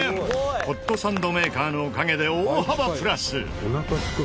ホットサンドメーカーのおかげで大幅プラス！